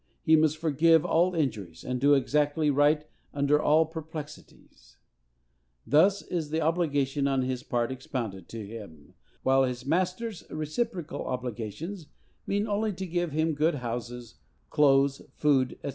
He must forgive all injuries, and do exactly right under all perplexities; thus is the obligation on his part expounded to him, while his master's reciprocal obligations mean only to give him good houses, clothes, food, &c.